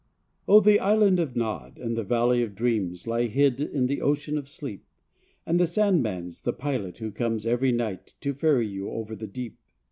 0 , the Island of Nod And the valley of dreams Lie hid in the ocean of sleep, And the Sandman's the pilot Who comes every night To ferry you over the deep.